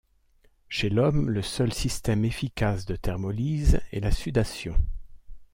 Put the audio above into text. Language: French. Chez l'homme, le seul système efficace de thermolyse est la sudation.